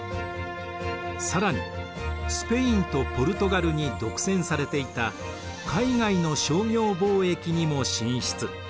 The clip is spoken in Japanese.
更にスペインとポルトガルに独占されていた海外の商業貿易にも進出。